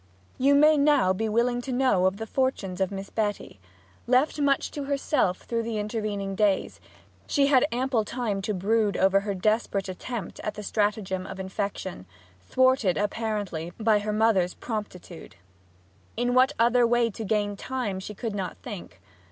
You may now be willing to know of the fortunes of Miss Betty. Left much to herself through the intervening days, she had ample time to brood over her desperate attempt at the stratagem of infection thwarted, apparently, by her mother's promptitude. In what other way to gain time she could not think.